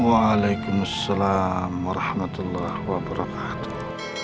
wualaihimussalam warahmatullah wabarakatuh